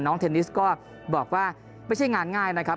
เทนนิสก็บอกว่าไม่ใช่งานง่ายนะครับ